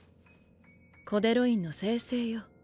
コデロインの生成よ。